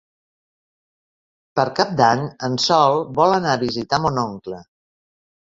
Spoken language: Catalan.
Per Cap d'Any en Sol vol anar a visitar mon oncle.